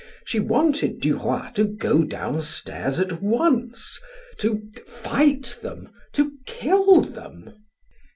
She wanted Duroy to go downstairs at once, to fight them, to kill them.